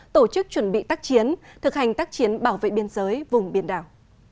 tổ chức chuẩn bị tác chiến thực hành tác chiến bảo vệ biên giới vùng biển đảo